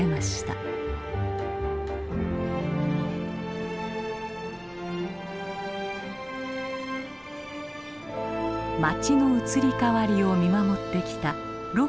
町の移り変わりを見守ってきた六甲の山々。